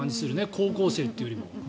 高校生というよりも。